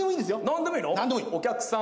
何でもいい。